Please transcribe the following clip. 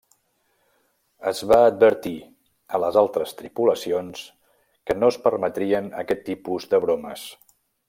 Es va advertir a les altres tripulacions que no es permetrien aquest tipus de bromes.